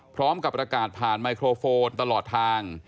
พร้อมกับประกาศผ่านไมโครโฟนตลอดทาง